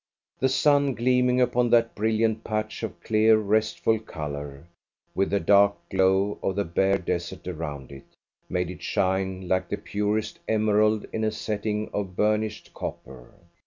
The sun gleaming upon that brilliant patch of clear, restful colour, with the dark glow of the bare desert around it, made it shine like the purest emerald in a setting of burnished copper.